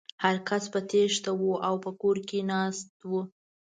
هر کس په تېښته و او په کور کې ناست و.